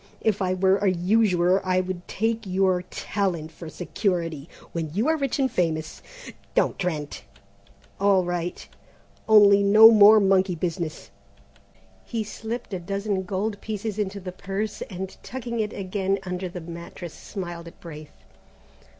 If I were a usurer I would take your talent for security. When you are rich and famous " "Don't, Trent " "All right, only no more monkey business." He slipped a dozen gold pieces into the purse, and tucking it again under the mattress smiled at Braith.